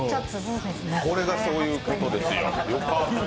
これがそういうことですよ、よかった。